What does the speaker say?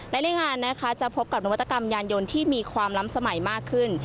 และในงานนะคะจะพบกับนวัตกรรมยานยนต์ที่มีความล้ำสมัยมากขึ้น